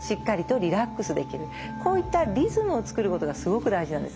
こういったリズムをつくることがすごく大事なんです。